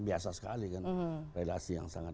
biasa sekali kan relasi yang sangat